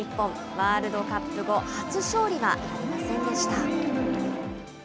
ワールドカップ後初勝利はなりませんでした。